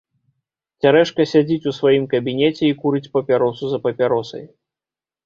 Цярэшка сядзіць у сваім кабінеце і курыць папяросу за папяросай.